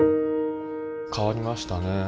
変わりましたね。